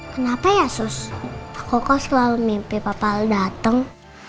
kenapa ya sus koko selalu mimpi papa alda dateng